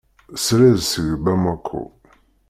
Srid seg Bamako.